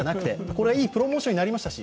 これはいいプロモーションになりましたし。